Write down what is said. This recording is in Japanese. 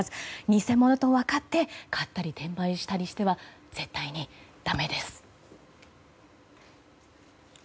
偽物と分かって買ったり転売しては絶対にダメです。